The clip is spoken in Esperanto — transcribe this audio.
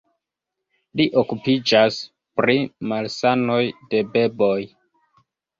Li okupiĝas pri malsanoj de beboj.